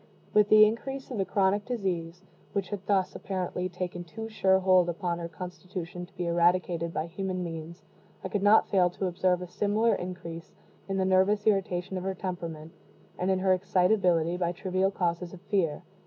With the increase of the chronic disease, which had thus, apparently, taken too sure hold upon her constitution to be eradicated by human means, I could not fail to observe a similar increase in the nervous irritation of her temperament, and in her excitability by trivial causes of fear.